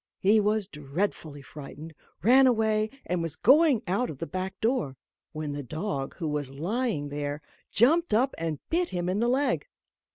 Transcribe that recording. He was dreadfully frightened, ran away, and was going out of the back door; when the dog, who was lying there, jumped up and bit him in the leg.